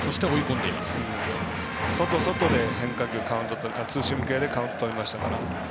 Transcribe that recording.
外、外で変化球そしてツーシーム系でカウントとりましたから。